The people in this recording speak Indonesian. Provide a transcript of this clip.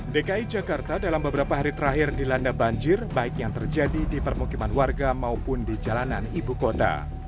dki jakarta dalam beberapa hari terakhir dilanda banjir baik yang terjadi di permukiman warga maupun di jalanan ibu kota